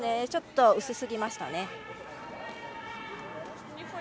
ちょっと薄すぎましたね。